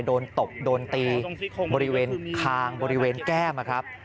ตบโดนตีบริเวณคางบริเวณแก้มนะครับ